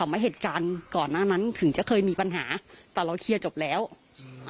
มาเหตุการณ์ก่อนหน้านั้นถึงจะเคยมีปัญหาแต่เราเคลียร์จบแล้วอืม